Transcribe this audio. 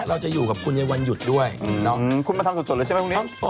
เราจะอยู่กับคุณในวันหยุดด้วยคุณมาทำสดเลยใช่ไหมวันนี้